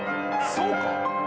そうか？